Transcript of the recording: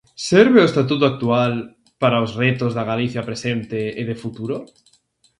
Serve o Estatuto actual para os retos da Galicia presente e de futuro?